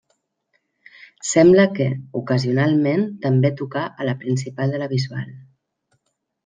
Sembla que, ocasionalment, també tocà a la Principal de la Bisbal.